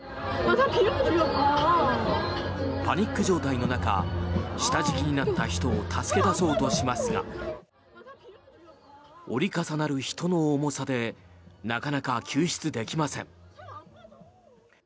パニック状態の中下敷きになった人を助け出そうとしますが折り重なる人の重さでなかなか救出できません。